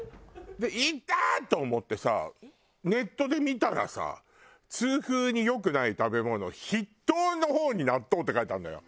で痛っ！と思ってさネットで見たらさ痛風に良くない食べ物筆頭の方に納豆って書いてあるのよ。